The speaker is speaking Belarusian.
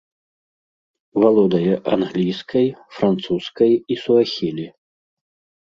Валодае англійскай, французскай і суахілі.